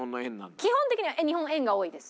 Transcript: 基本的には日本円が多いです。